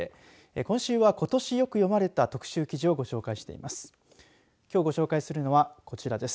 今週は、ことしよく読まれた特集記事をご紹介しています。